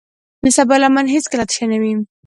د صبر لمن هیڅکله تشه نه وي.